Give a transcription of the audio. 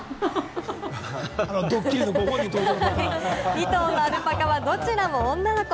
２頭のアルパカはどちらも女の子。